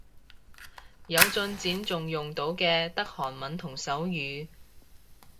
有進展仲用到嘅得韓文同手語